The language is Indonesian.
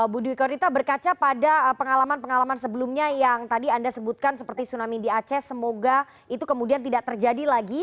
bu dwi korita berkaca pada pengalaman pengalaman sebelumnya yang tadi anda sebutkan seperti tsunami di aceh semoga itu kemudian tidak terjadi lagi